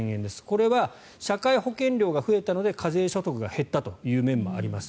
これは社会保険料が増えたので課税所得が減ったという面もあります。